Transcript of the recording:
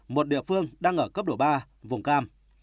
một địa phương đang ở cấp độ ba vùng cam